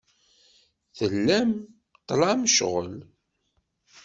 Tellam tlam ccɣel.